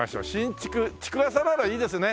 新築築浅ならいいですね。